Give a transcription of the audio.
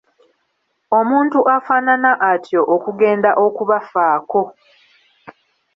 Omuntu afaanana atyo okugenda okubafaako!